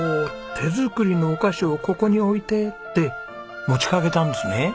「手作りのお菓子をここに置いて！」って持ちかけたんですね！